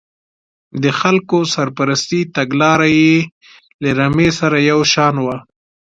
د خلکو سرپرستۍ تګلاره یې له رمې سره یو شان وه.